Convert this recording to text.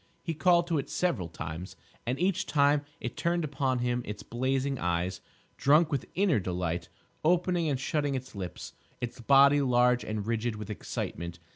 He called to it several times, and each time it turned upon him its blazing eyes, drunk with inner delight, opening and shutting its lips, its body large and rigid with excitement.